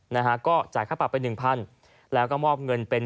นะคะก็จ่ายค่าปรับไป๑๐๐๐แล้วก็มอบเงินเป็น